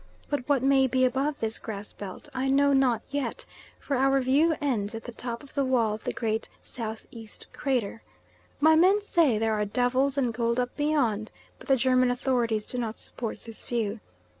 But what may be above this grass belt I know not yet, for our view ends at the top of the wall of the great S.E. crater. My men say there are devils and gold up beyond, but the German authorities do not support this view.